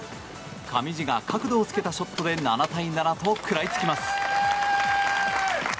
上地が角度をつけたショットで７対７と食らいつきます。